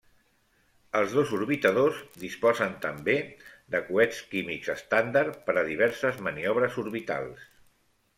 Els dos orbitadors disposen també de coets químics estàndard per a diverses maniobres orbitals.